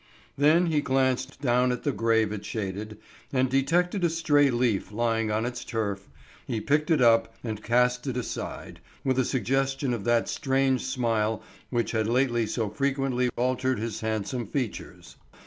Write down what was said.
Then he glanced down at the grave it shaded, and detecting a stray leaf lying on its turf, he picked it up and cast it aside, with a suggestion of that strange smile which had lately so frequently altered his handsome features.